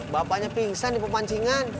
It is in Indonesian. bapaknya pingsan di pemancingan